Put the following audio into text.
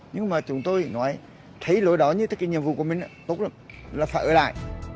nhưng mà chúng tôi nói thấy lối đó như thế kỷ nhiệm vụ của mình là tốt lắm là phải ở lại